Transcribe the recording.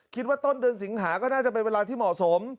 คิดว่าต้นเดือนสิงหาก็น่าจะเป็นเวลาที่เหมาะสม